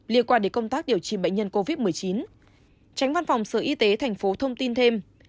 liên quan đến công tác điều trị bệnh nhân covid một mươi chín tránh văn phòng sở y tế thành phố thông tin thêm